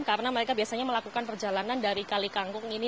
karena mereka biasanya melakukan perjalanan dari kali kangkung ini